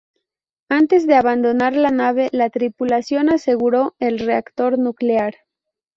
Antes de abandonar la nave la tripulación aseguró el reactor nuclear.